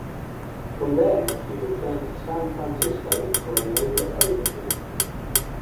From there she returned to San Francisco for a major overhaul.